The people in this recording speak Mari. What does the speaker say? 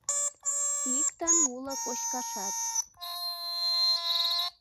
Иктын уло кочкашат